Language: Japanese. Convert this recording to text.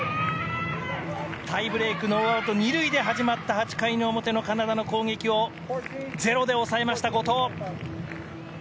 タイブレークノーアウト２塁で始まった８回の表のカナダの攻撃をゼロで抑えました、後藤。